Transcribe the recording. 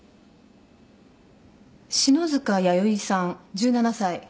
篠塚弥生さん１７歳。